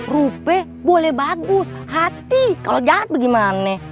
rupiah boleh bagus hati kalo jatuh gimana